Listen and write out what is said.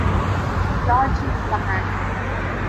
Dodge in command.